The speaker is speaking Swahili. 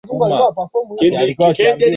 Watu Wangekudharau